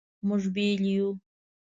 مونږ بیل یو